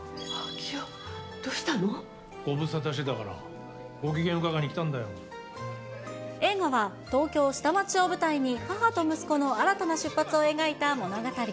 ご無沙汰してたから、映画は、東京下町を舞台に母と息子の新たな出発を描いた物語。